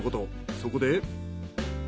そこで。